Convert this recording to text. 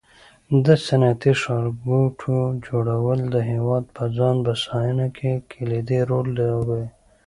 د صنعتي ښارګوټو جوړول د هېواد په ځان بسیاینه کې کلیدي رول لوبوي.